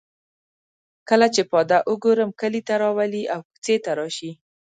کله چې پاده او ګورم کلي ته راولي او کوڅې ته راشي.